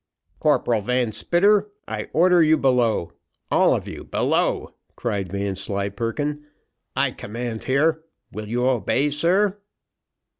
"Corporal Van Spitter, I order you below all of you below," cried Vanslyperken; "I command here will you obey, sir?"